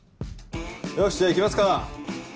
よしじゃあ行きますか。